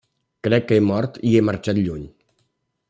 Crec que he mort i he marxat lluny.